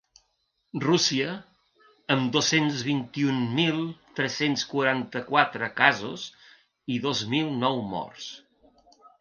Rússia, amb dos-cents vint-i-un mil tres-cents quaranta-quatre casos i dos mil nou morts.